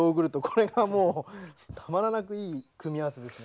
これがもうたまらなくいい組み合わせですね。